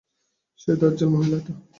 সেই দজ্জাল মহিলাটা।